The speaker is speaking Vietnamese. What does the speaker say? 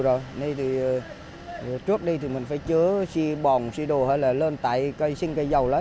nơi thì trước đi thì mình phải chứa si bồng si đồ hay là lên tại cây sinh cây dầu đó